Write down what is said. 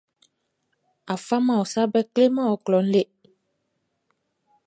A faman ɔ sa bɛʼn kleman ɔ klɔʼn le.